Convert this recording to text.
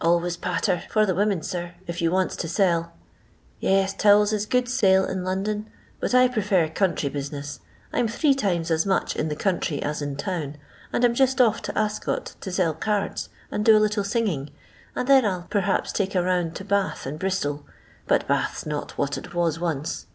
Always patter for the women, sir, if you wants to sell. Tes, towels is good sale in London, but I prefer country business. I 'm three times as much in the country ns in town, and I *m just off to Ascot to sell cards, and do a little singing, and then I 'il perhaps take a round to Bath and Bris tol, bnt Bath 's not what it was once."